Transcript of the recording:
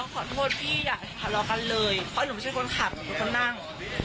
เพราะหนูไม่ใช่คนขับหนูเป็นคนนั่ง